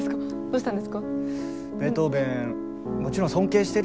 どうしたんですか？